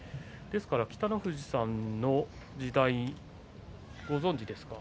ですから北の富士さんの時代ご存じですか？